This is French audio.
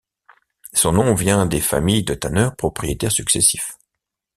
Son nom vient des familles de tanneurs propriétaires successifs.